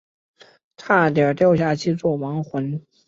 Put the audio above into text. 差点掉下去做亡魂